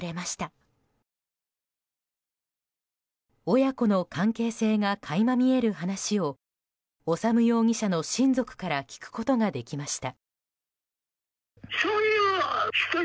親子の関係性が垣間見える話を修容疑者の親族から聞くことができました。